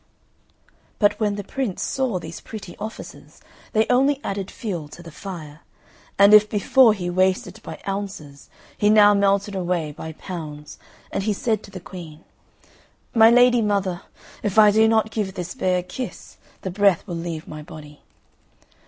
But when the Prince saw these pretty offices they only added fuel to the fire; and if before he wasted by ounces, he now melted away by pounds, and he said to the Queen, "My lady mother, if I do not give this bear a kiss, the breath will leave my body."